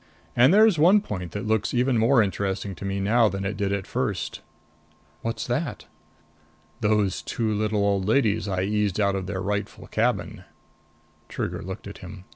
And there's one point that looks even more interesting to me now than it did at first." "What's that?" "Those two little old ladies I eased out of their rightful cabin." Trigger looked at him.